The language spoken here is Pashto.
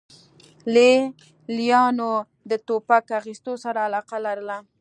لې لیانو د ټوپک اخیستو سره علاقه لرله